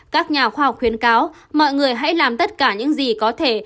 các nhà khoa học khuyến cáo mọi người hãy làm tất cả những gì có thể